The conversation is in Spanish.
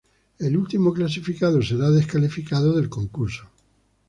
El último clasificado será descalificado del concurso.